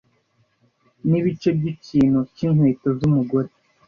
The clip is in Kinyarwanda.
nibice byikintu cyinkweto zumugore